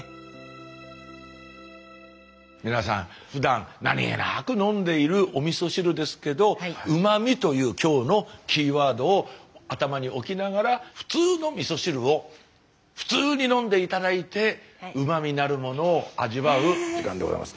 皆さんふだん何気なく飲んでいるおみそ汁ですけど「うま味」という今日のキーワードを頭に置きながら普通のみそ汁を普通に飲んで頂いてうま味なるものを味わう時間でございます。